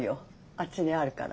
あっちにあるから。